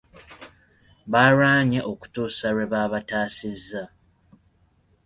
Baalwanye okutuusa lwe baabataasizza.